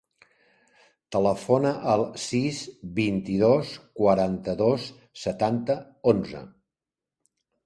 Telefona al sis, vint-i-dos, quaranta-dos, setanta, onze.